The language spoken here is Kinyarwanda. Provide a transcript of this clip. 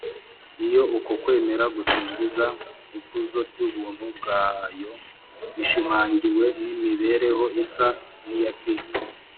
iyo uko kwemera gusingiza ikuzo ry’ubuntu bwayo bishimangiwe n’imibereho isa n’iya kristo,